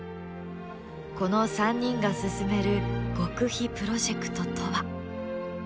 この３人が進める極秘プロジェクトとは？